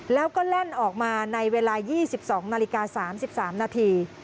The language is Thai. แล้วก็แล่นออกมาในเวลา๒๒นาฬิกา๓๓นาที